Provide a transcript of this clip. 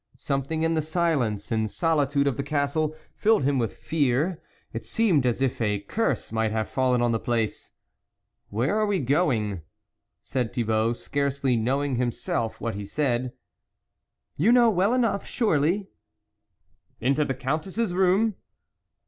Something in the silence and solitude of the castle filled him with fear ; it seemed as if a curse might have fallen on the place. Where are we going ?" said Thibault, scarcely knowing himself what he said. ' You know well enough, surely." ' Into the Countess's room